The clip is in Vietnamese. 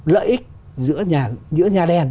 lợi ích giữa nhà đèn